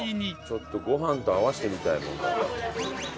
ちょっとご飯と合わせてみたい。